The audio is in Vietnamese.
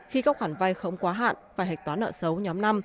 khi các khoản vay không quá hạn phải hạch toán nợ xấu nhóm năm